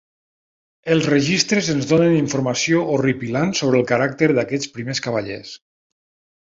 Els registres ens donen informació horripilant sobre el caràcter d'aquests primers cavallers.